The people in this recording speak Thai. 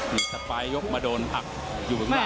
สักปลายยกมาโดนหักอยู่ข้างล่าง